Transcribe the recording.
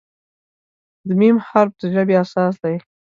د "م" حرف د ژبې اساس دی.